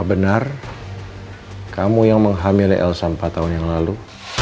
benar kamu yang menghamili elsa empat tahun yang lalu